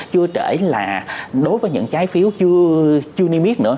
chưa trễ là đối với những trái phiếu chưa niêm yết nữa